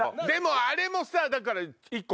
でもあれもさだから。